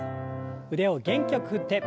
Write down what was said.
腕を元気よく振って。